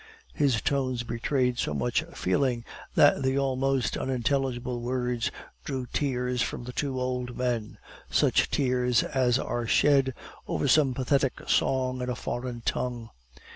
His tones betrayed so much feeling that the almost unintelligible words drew tears from the two old men, such tears as are shed over some pathetic song in a foreign tongue.